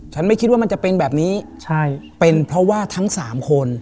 ไม่คิดว่ามันจะเป็นแบบนี้ใช่เป็นเพราะว่าทั้งสามคน